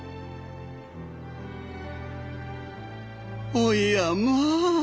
おやまあ